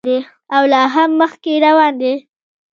او لا هم مخکې روان دی.